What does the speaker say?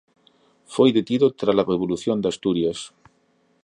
Foi detido trala revolución de Asturias.